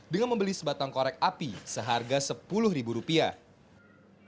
dengan membeli sebatang korek api seharga sepuluh ribu rupiah